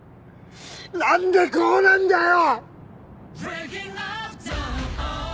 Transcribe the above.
何でこうなんだよ‼